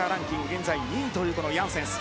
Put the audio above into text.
現在２位というヤンセンス。